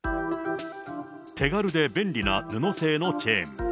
手軽で便利な布製のチェーン。